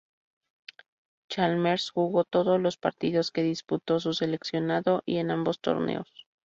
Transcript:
Chalmers jugó todos los partidos que disputó su seleccionado y en ambos torneos.